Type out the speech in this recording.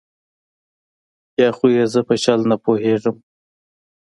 یا خو یې زه په چل نه پوهېږم.